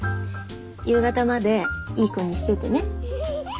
夕方までいい子にしててね。